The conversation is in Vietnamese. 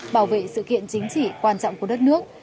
bảo vệ sự kiện chính trị quan trọng của đất nước